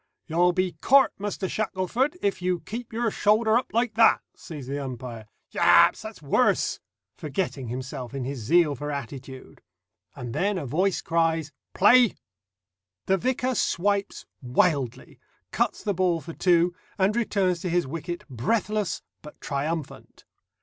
"You'll be caught, Muster Shackleforth, if you keep your shoulder up like that," says the umpire. "Ya a ps! that's worse!" forgetting himself in his zeal for attitude. And then a voice cries "Play!" The vicar swipes wildly, cuts the ball for two, and returns to his wicket breathless but triumphant.